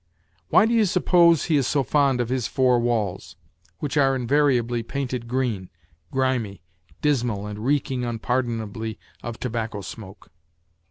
Why do you suppose he is so fond of his four walls, which are invariably painted green, grimy, dismal and reeking unpardonably of tobacco smoke